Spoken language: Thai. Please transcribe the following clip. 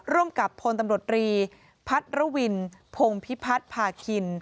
ร่วมกับพลตำรวจรีพัทรวินพงพิพัฒน์พาคิน